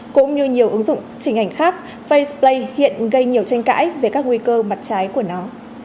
cũng như nhiều ứng dụng trình ảnh khác facepay hiện gây nhiều tranh cãi về các nguy cơ mặt trái của nó